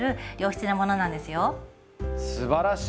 すばらしい！